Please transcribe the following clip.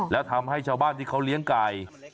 แล้วทำให้ชาวบ้านที่เขาเลี้ยงไก่